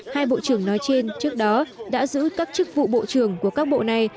hai bộ trưởng nói trên trước đó đã giữ các chức vụ bộ trưởng của các bộ này